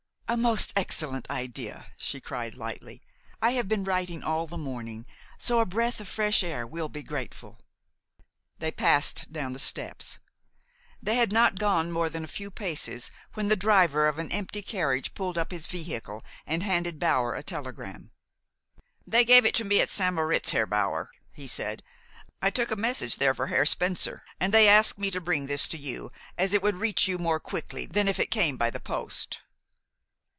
"A most excellent idea," she cried lightly. "I have been writing all the morning, so a breath of fresh air will be grateful." They passed down the steps. They had not gone more than a few paces when the driver of an empty carriage pulled up his vehicle and handed Bower a telegram. "They gave it to me at St. Moritz, Herr Bower," he said. "I took a message there for Herr Spencer, and they asked me to bring this to you, as it would reach you more quickly than if it came by the post."